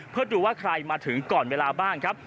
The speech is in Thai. เพื่อดูว่าใครมาถึงก่อนเวลาบ้างครับ